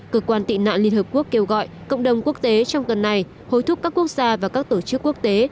cơ quan tị nạn liên hợp quốc kêu gọi cộng đồng quốc tế trong tuần này hối thúc các quốc gia và các tổ chức quốc tế